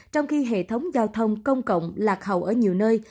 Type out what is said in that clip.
trong khi hệ thống giao thông công cộng lạc hậu ở nhiều nơi